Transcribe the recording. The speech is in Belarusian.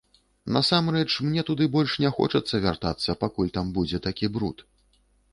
Насамрэч, мне туды больш не хочацца вяртацца, пакуль там будзе такі бруд.